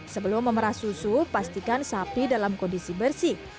sebelum memerah susu pastikan sapi dalam kondisi bersih